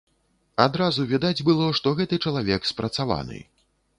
Адразу відаць было, што гэты чалавек спрацаваны.